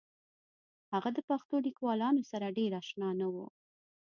هغه د پښتو لیکوالانو سره ډېر اشنا نه و